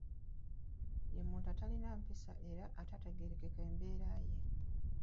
Ye muntu atalina mpisa era atategeerekeka mbeera ye.